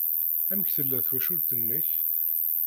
Amek tella twacult-nnek?